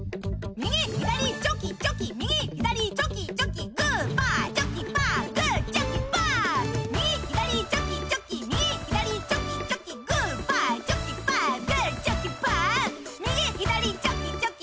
右左チョキチョキ右左チョキチョキ。